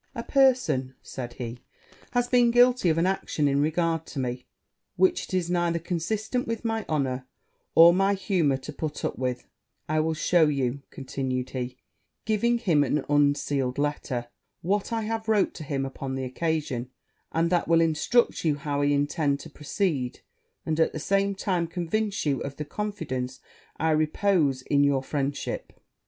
'A person,' said he, 'has been guilty of an action in regard to me, which it is neither consistent with my honour or my humour to put up with: I will shew you,' continued he, giving him an unsealed letter, 'what I have wrote to him upon the occasion; and that will instruct you how I intend to proceed, and, at the same time, convince you of the confidence I repose in your friendship.'